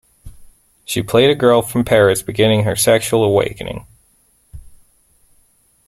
She played a girl from Paris beginning her sexual awakening.